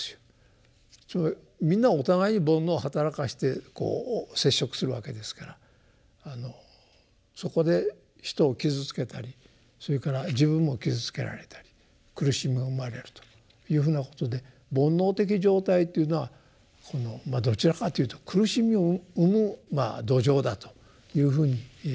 つまりみんなお互いに煩悩をはたらかしてこう接触するわけですからそこで人を傷つけたりそれから自分も傷つけられたり苦しみが生まれるというふうなことで煩悩的状態っていうのはどちらかというと苦しみを生む土壌だというふうに考えていいと思うんですね。